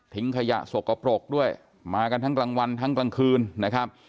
ขยะสกปรกด้วยมากันทั้งกลางวันทั้งกลางคืนนะครับ